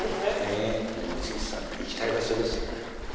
望月さん行きたい場所ですよね？